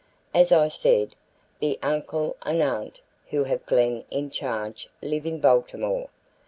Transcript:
As I said, the uncle and aunt who have Glen in charge live in Baltimore.